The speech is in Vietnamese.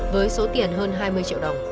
với số tiền hơn hai mươi triệu đồng